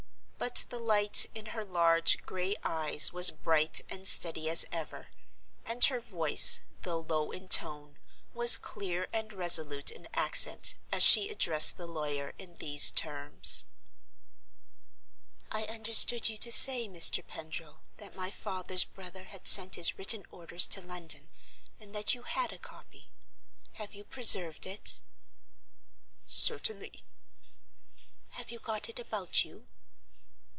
But the light in her large gray eyes was bright and steady as ever; and her voice, though low in tone, was clear and resolute in accent as she addressed the lawyer in these terms: "I understood you to say, Mr. Pendril, that my father's brother had sent his written orders to London, and that you had a copy. Have you preserved it?" "Certainly." "Have you got it about you?"